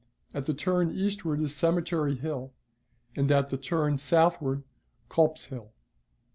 At the turn eastward is Cemetery Hill and at the turn southward Culps's Hill.